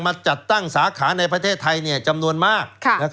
จัดตั้งสาขาในประเทศไทยจำนวนมาก